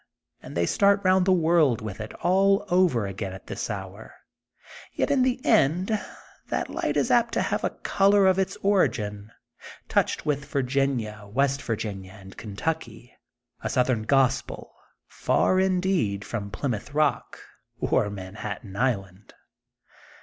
And they start 'round the world with it all over again at this hour. Yet in the end that light is apt to have a color of its origin, touched with Virginia, West Virginia, and Kentucky; — a southern gospel, far indeed from Plymouth Bock, or Manhattan Island.